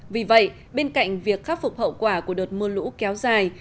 vì vậy bên cạnh việc khắc phục hậu quả của đợt mưa lũ kéo dài